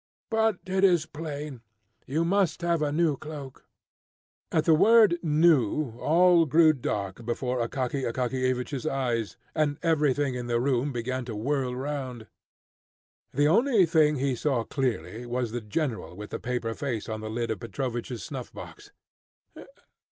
"But it is plain you must have a new cloak." At the word "new" all grew dark before Akaky Akakiyevich's eyes, and everything in the room began to whirl round. The only thing he saw clearly was the general with the paper face on the lid of Petrovich's snuff box.